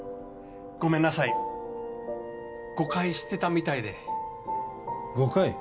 ごめんなさい誤解してたみたいで誤解？